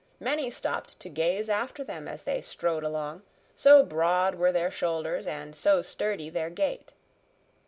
Many stopped to gaze after them as they strode along, so broad were their shoulders and so sturdy their gait.